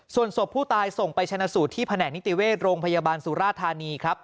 ส่วนศพผู้ตายส่งไปชนะสูตรที่แผนกนิติเวชโรงพยาบาลสุราธานีครับ